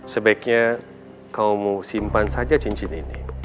sebaiknya kamu simpan saja cincin ini